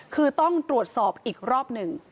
คือต้องตรวจสอบอีกรอบหนึ่ง